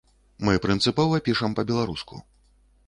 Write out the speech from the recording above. Мы прынцыпова пішам па-беларуску.